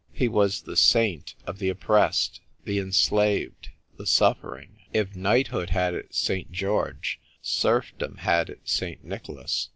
He was the saint of the oppressed, the enslaved, the suffering. If knighthood had its St. George, serfdom had its St. Nicholas.